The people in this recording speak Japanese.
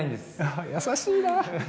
優しいな！